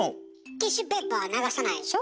ティッシュペーパーは流さないでしょ？